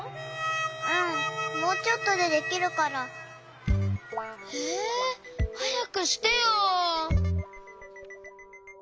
うんもうちょっとでできるから。えはやくしてよ！